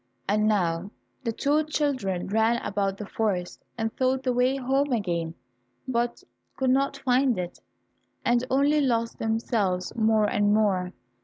And now the two children ran about the forest, and sought the way home again, but could not find it, and only lost themselves more and more.